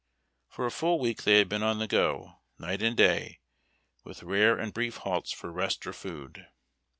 For a full week they had been on the go, night and day, with rare and brief halts for rest or food.